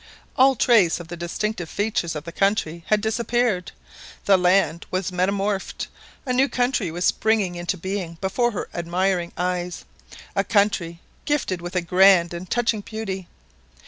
All trace of the distinctive features of the country had disappeared; the land was metamorphosed, a new country was springing into being before her admiring eyes, a country gifted with a grand and touching beauty.